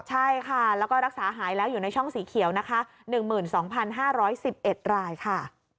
ใช่ค่ะแล้วก็รักษาหายแล้วอยู่ในช่องสีเขียวนะคะ๑๒๕๑๑รายค่ะ